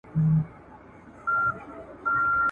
تر دوی لږ ځوروونکی نه وو